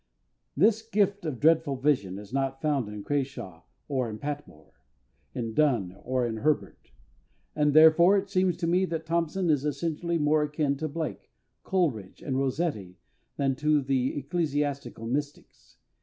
This gift of dreadful vision is not found in CRASHAW or in PATMORE, in DONNE or in HERBERT, and therefore it seems to me that THOMPSON is essentially more akin to BLAKE, COLERIDGE and ROSSETTI than to the ecclesiastical mystics.